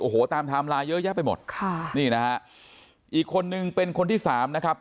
โอ้โหตามไทม์ไลน์เยอะแยะไปหมดค่ะนี่นะฮะอีกคนนึงเป็นคนที่สามนะครับ